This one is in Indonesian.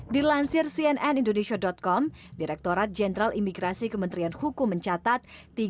dilansir cnn indonesia com direkturat jenderal imigrasi kementerian hukum mencatat